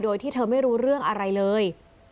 โดยที่เธอไม่รู้เรื่องอะไรเลย